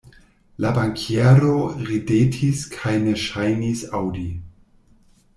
La bankiero ridetis kaj ne ŝajnis aŭdi.